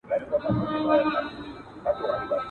څلورم وازه خوله حیران وو هیڅ یې نه ویله.